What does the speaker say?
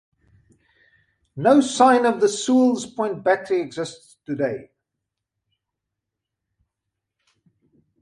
No sign of the Sewell's Point battery exists today.